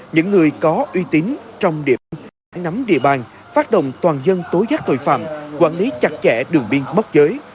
những người có uy tín trong địa bàn nắm địa bàn phát động toàn dân tối giác tội phạm quản lý chặt chẽ đường biên mất giới